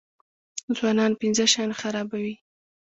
ځوانان پنځه شیان خرابوي.